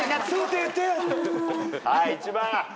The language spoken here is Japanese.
はい１番。